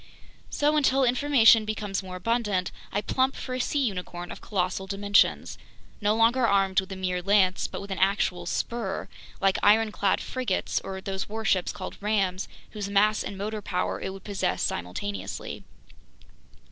"So, until information becomes more abundant, I plump for a sea unicorn of colossal dimensions, no longer armed with a mere lance but with an actual spur, like ironclad frigates or those warships called 'rams,' whose mass and motor power it would possess simultaneously.